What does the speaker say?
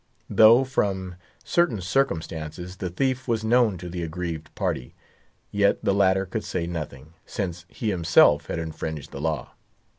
Though, from certain circumstances, the thief was known to the aggrieved party, yet the latter could say nothing, since he himself had infringed the law.